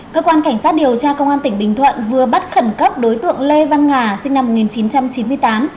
cơ quan cảnh sát điều tra công an tỉnh bình thuận vừa bắt khẩn cấp đối tượng lê văn nga sinh năm một nghìn chín trăm chín mươi tám